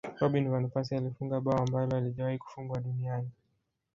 robin van persie alifunga bao ambalo halijawahi Kufungwa duniani